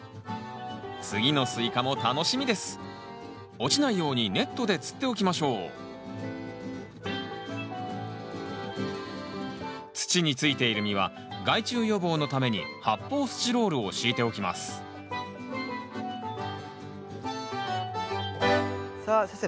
落ちないようにネットでつっておきましょう土についている実は害虫予防のために発泡スチロールを敷いておきますさあ先生